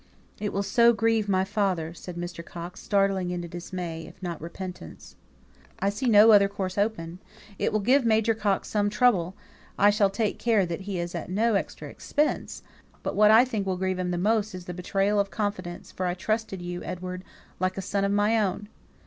"It will so grieve my father," said Mr. Coxe, startled into dismay, if not repentance. "I see no other course open. It will give Major Coxe some trouble (I shall take care that he is at no extra expense), but what I think will grieve him the most is the betrayal of confidence; for I trusted you, Edward, like a son of my own!"